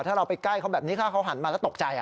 ถ้าเราไปใกล้เขาแบบนี้ถ้าเขาหันมาแล้วตกใจ